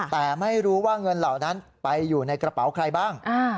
แต่ไม่รู้ว่าเงินเหล่านั้นไปอยู่ในกระเป๋าใครบ้าง